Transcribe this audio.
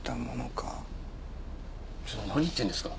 ちょっと何言ってんですか？